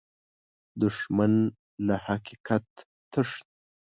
دښمن له حقیقت تښتي